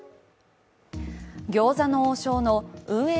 餃子の王将の運営